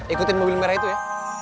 ikutin mobil merah itu ya